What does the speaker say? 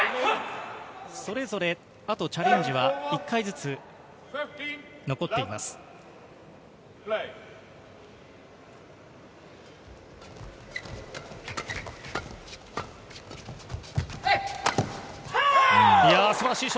それぞれ、あとチャレンジは１回ずつ残っています。